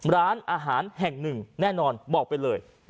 ร้านอาหารแห่งหนึ่งแน่นอนบอกไปเลย